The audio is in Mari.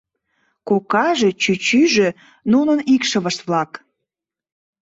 Кокаже, чӱчӱжӧ, нунын икшывышт-влак.